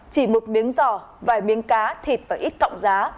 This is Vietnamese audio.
chỉ một miếng giò vài miếng cá thịt và ít cộng giá